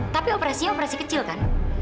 tapi operasinya operasi kecil kan